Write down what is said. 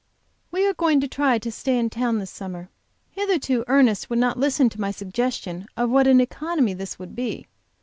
We are going to try to stay in town this summer. Hitherto Ernest would not listen to my suggestion of what an economy this would be.